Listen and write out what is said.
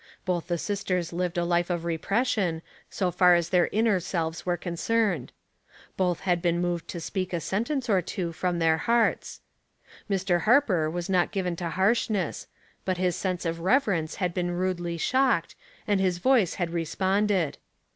Both the sisters lived a life of repression, so far as their inner selves were concerned. Both had been moved to speak a sentence or two from their hearts. Mr, Harper was not given to harshness, but his seuse of '"""erence had been rudely shocked, and his voice had re sponded.